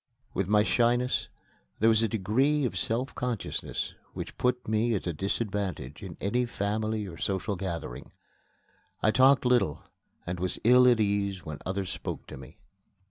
With my shyness there was a degree of self consciousness which put me at a disadvantage in any family or social gathering. I talked little and was ill at ease when others spoke to me.